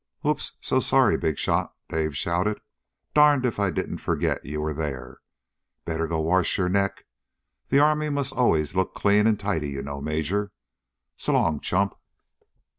"Oops, so sorry, Big Shot!" Dawson shouted. "Darned if I didn't forget you were there. Better go wash your neck. The Army must always look clean and tidy, you know, Major. So long, chump!"